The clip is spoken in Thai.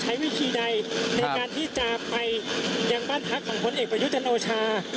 ใช้วิธีใดในการที่จะไปยังบ้านพรรดาพหลังพลเอกบนยุจจนโตชา